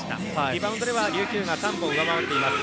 リバウンドでは琉球が３本上回っています。